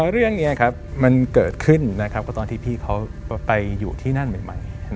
เรื่องนี้มันเกิดขึ้นก็ตอนที่พี่เขาไปอยู่ที่นั่นใหม่